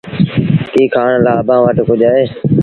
ڪيٚ کآڻ لآ اڀآنٚ وٽ ڪجھ اهي؟